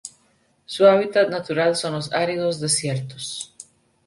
Su hábitat natural son los áridos desiertos.